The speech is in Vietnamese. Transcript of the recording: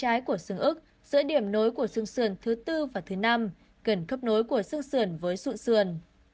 tim nằm phía trái của xứng ức giữa điểm nối của xương xườn thứ tư và thứ năm gần khớp nối của xương xườn với sụn xườn